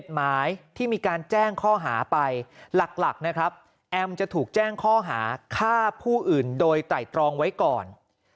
หมายที่มีการแจ้งข้อหาไปหลักนะครับแอมจะถูกแจ้งข้อหาฆ่าผู้อื่นโดยไตรตรองไว้ก่อน